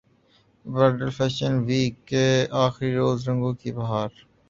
bridal fashion week کے اخری روز رنگوں کی بہار